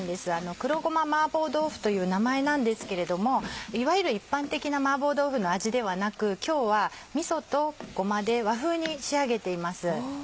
黒ごま麻婆豆腐という名前なんですけれどもいわゆる一般的な麻婆豆腐の味ではなく今日はみそとごまで和風に仕上げています。